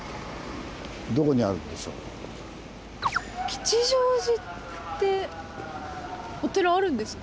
吉祥寺ってお寺あるんですか？